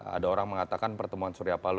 ada orang mengatakan pertemuan suryapalo